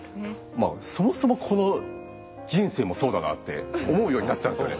まあそもそもこの人生もそうだなって思うようになったんですよね。